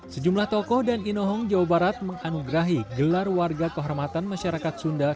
sejumlah tokoh dan inohong jawa barat menganugerahi gelar warga kehormatan masyarakat sunda